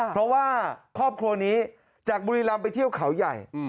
เพราะว่าครอบครัวนี้จากบุรีรำไปเที่ยวเขาใหญ่